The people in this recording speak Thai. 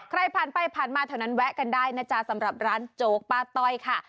ใครพันไปพันมาเท่านั้นแวะกันได้นะจ๊ะสำหรับร้านจ๊กปลาต้อยค่ะ